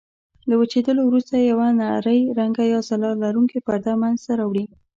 له وچېدلو وروسته یوه نرۍ رنګه یا ځلا لرونکې پرده منځته راوړي.